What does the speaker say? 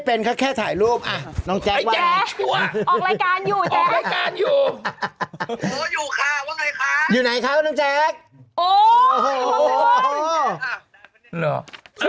ปากเพลงทิ้งเราทำไมนะจ๊ะ